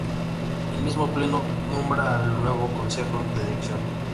El mismo pleno nombra al nuevo Consejo de Dirección.